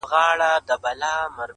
هغه و تورو غرونو ته رويا وايي_